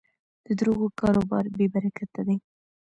د دروغو کاروبار بېبرکته دی.